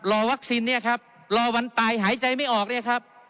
รอวัคซีนเนี่ยครับรอวันตายหายใจไม่ออกเนี่ยครับ